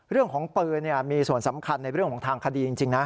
เรื่องของปืนมีส่วนสำคัญในเรื่องของทางคดีจริงนะ